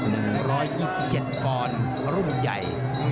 นี่๑๒๗ปอนด์รุ่นใหญ่